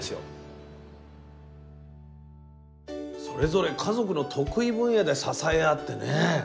それぞれ家族の得意分野で支え合ってね